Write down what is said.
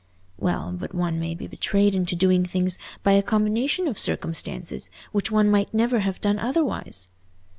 "Well, but one may be betrayed into doing things by a combination of circumstances, which one might never have done otherwise."